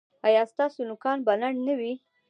ایا ستاسو نوکان به لنډ نه وي؟